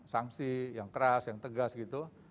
sanksi yang keras yang tegas gitu